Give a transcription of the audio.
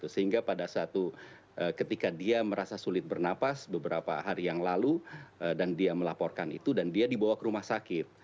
sehingga pada satu ketika dia merasa sulit bernapas beberapa hari yang lalu dan dia melaporkan itu dan dia dibawa ke rumah sakit